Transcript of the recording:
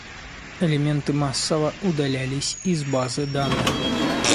Элементы массово удалялись из базы данных.